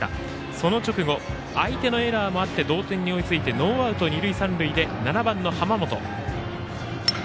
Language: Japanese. その直後、相手のエラーもあって同点に追いついてノーアウト、二塁三塁で７番の濱本。